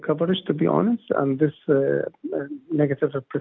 dan penampilan negatif ini tidak benar